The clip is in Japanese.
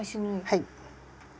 はい。